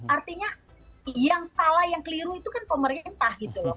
artinya yang salah yang keliru itu kan pemerintah gitu loh